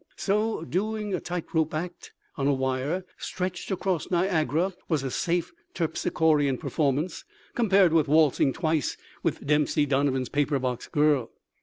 So, doing a tight rope act on a wire stretched across Niagara was a safe terpsichorean performance compared with waltzing twice with Dempsey Donovan's paper box girl.